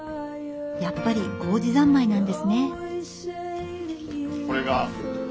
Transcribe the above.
やっぱりこうじ三昧なんですね。